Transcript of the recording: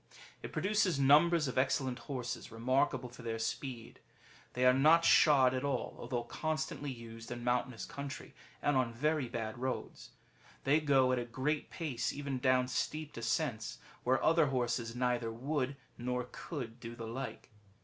^ It produces numbers of excellent horses, remarkable for their speed. They are not shod at all, although constantly used in mountainous country, and on very bad roads, [They go at a great pace even down steep descents, where other horses neither would nor could do the like.